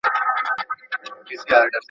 څوک د جګړې جنایتونه څیړي؟